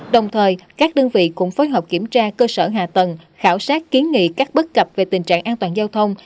đồng thời các đơn vị cũng phối hợp kiểm tra cơ sở hạ tầng khảo sát kiến nghị các bất cập về tình trạng an toàn giao thông